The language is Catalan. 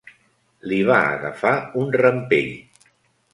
Li va agafar un rampell.